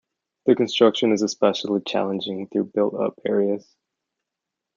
The construction is especially challenging through built-up areas.